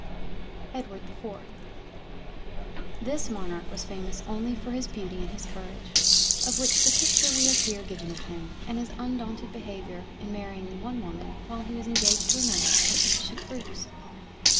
EDWARD the 4th This Monarch was famous only for his Beauty and his Courage, of which the Picture we have here given of him, and his undaunted Behaviour in marrying one Woman while he was engaged to another, are sufficient proofs.